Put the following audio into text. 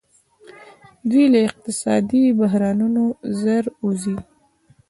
دوی له اقتصادي بحرانونو ژر وځي.